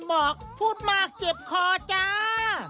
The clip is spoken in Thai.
บอกพูดมากเจ็บคอจ้า